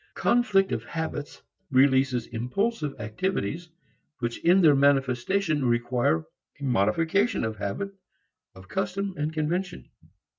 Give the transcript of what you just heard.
Conflict of habits releases impulsive activities which in their manifestation require a modification of habit, of custom and convention.